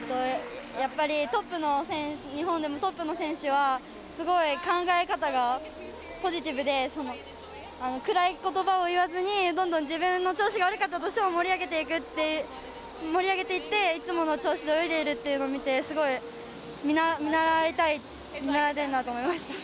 やっぱり日本でもトップの選手はすごい考え方がポジティブで暗い言葉を言わずにどんどん自分の調子が悪かったとしても盛り上げていっていつもの調子で泳いでいるっていうのを見てすごい見習いたいなと思いました。